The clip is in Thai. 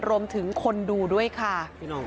รวมถึงคนดูด้วยค่ะ